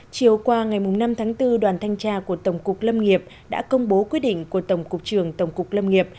chiều qua ngày năm tháng bốn đoàn thanh tra của tổng cục lâm nghiệp đã công bố quyết định của tổng cục trường tổng cục lâm nghiệp